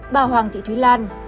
bà hoàng thị thúy lan